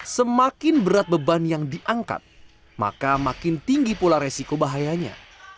semakin berat beban yang diangkat maka makin tinggi pula resiko bahayanya